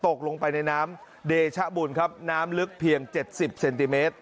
ตกลงไปในน้ำเดชบุญครับน้ำลึกเพียง๗๐เซนติเมตร